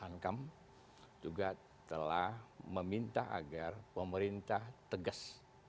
ankam juga telah meminta agar pemerintah tegas